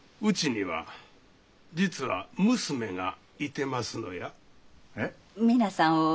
うちには実は娘がいてますのや。